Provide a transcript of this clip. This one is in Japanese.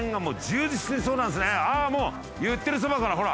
ああもう言ってるそばからほら。